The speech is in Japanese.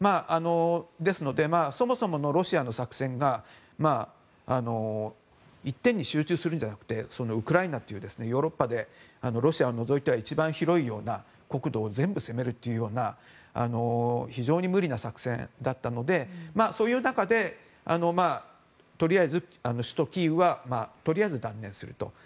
ですのでそもそものロシアの作戦が一点に集中するんじゃなくてウクライナというヨーロッパでロシアを除いては一番広いような国土を全部攻めるというような非常に無理な作戦だったのでそういう中でとりあえず首都キーウは断念すると。